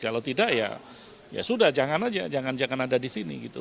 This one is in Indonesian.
kalau tidak ya sudah jangan jangan ada di sini